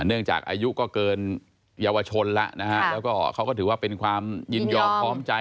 เนื่องจากอายุก็เกินเยอะวชนแล้วนะเขาก็ถือว่าเป็นความยินยอมคลอมใจ